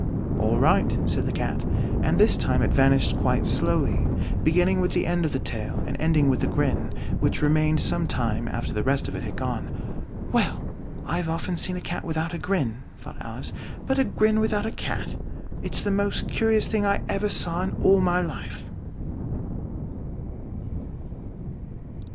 "All right," said the Cat; and this time it vanished quite slowly, beginning with the end of the tail and ending with the grin, which remained some time after the rest of it had gone. "Well! I've often seen a cat without a grin," thought Alice; "but a grin without a cat! it's the most curious thing I ever saw in all my life!"